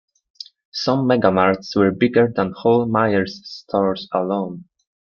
Some Megamarts were bigger than whole Myer stores alone.